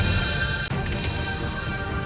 tahlilan itu biasa